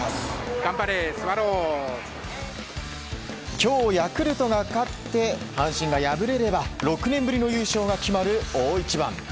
今日、ヤクルトが勝って阪神が敗れれば６年ぶりの優勝が決まる大一番。